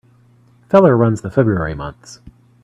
Feller runs the February months.